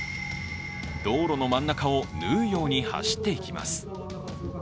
道路の真ん中を縫うように走っていきます。